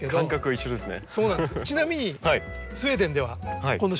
一緒ですね。